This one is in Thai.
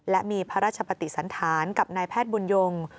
และมีพระราชปฏิสันธารกับนายแพทย์บุญยง